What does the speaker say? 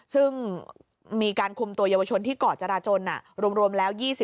ซึ่งมีการคุมตัวเยาวชนที่เกาะจราจนรวมแล้ว๒๐